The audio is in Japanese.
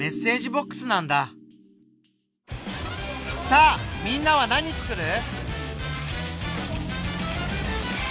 さあみんなは何つくる？